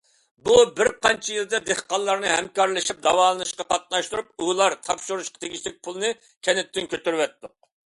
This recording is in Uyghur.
بۇ بىر قانچە يىلدا دېھقانلارنى ھەمكارلىشىپ داۋالىنىشقا قاتناشتۇرۇپ، ئۇلار تاپشۇرۇشقا تېگىشلىك پۇلنى كەنتتىن كۆتۈرۈۋەتتۇق.